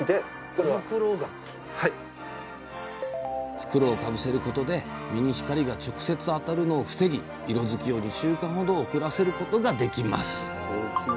袋をかぶせることで実に光が直接当たるのを防ぎ色づきを２週間ほど遅らせることができます。